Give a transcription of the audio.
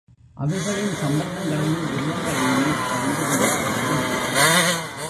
அவைகளின் சம்பந்தங்களையும், உருவங்களையுமே ஆராய்ந்து கொண்டிருக்கிறது.